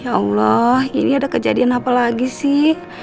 ya allah ini ada kejadian apa lagi sih